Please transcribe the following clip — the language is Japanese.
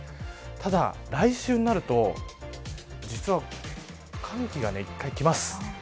ただ、来週になると実は寒気が、一回きます。